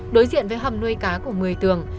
đối diện với hầm nuôi cá của mười tường